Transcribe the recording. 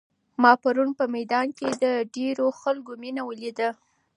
ما پرون په میدان کې د ډېرو خلکو مینه ولیده.